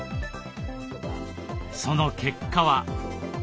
その結果は。